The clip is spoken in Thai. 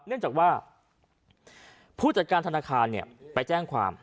เนื่องจากว่าผู้จัดการธนาคารไปแจ้งความ